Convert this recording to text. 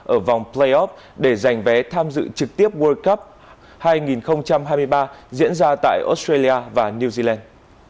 ở vòng playov để giành vé tham dự trực tiếp world cup hai nghìn hai mươi ba diễn ra tại australia và new zealand